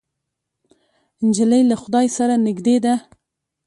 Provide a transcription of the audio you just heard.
نجلۍ له خدای سره نږدې ده.